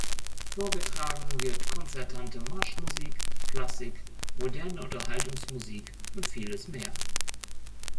Vorgetragen wird konzertante Marschmusik, Klassik, moderne Unterhaltungsmusik und vieles mehr.